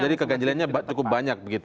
jadi keganjilannya cukup banyak begitu ya